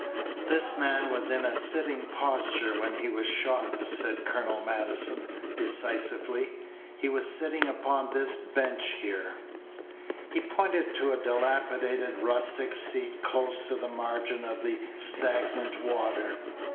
"This man was in a sitting posture when he was shot," said Colonel Maddison, decisively. "He was sitting upon this bench here." He pointed to a dilapidated rustic seat close to the margin of the stagnant water.